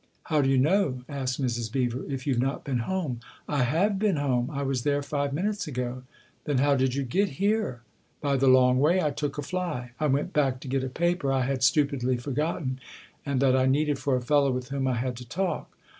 " How do you know," asked Mrs. Beever, "if you've not been home ?"" I have been home I was there five minutes ago." " Then how did you get here ?"" By the long way ? I took a fly. I went back to get a paper I had stupidly forgotten and that I needed for a fellow with whom I had to talk.